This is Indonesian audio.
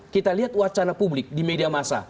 kita lihat wacana publik di media masa